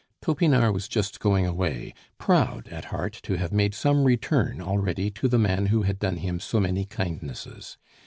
Topinard was just going away, proud at heart to have made some return already to the man who had done him so many kindnesses.